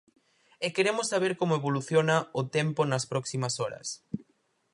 E queremos saber como evoluciona o tempo nas próximas horas.